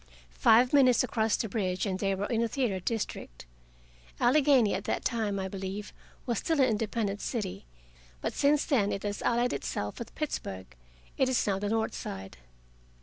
Five minutes across the bridge, and they were in the theater district. Allegheny at that time, I believe, was still an independent city. But since then it has allied itself with Pittsburgh; it is now the North Side.